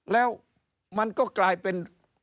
แล้วมันก็กลายเป็น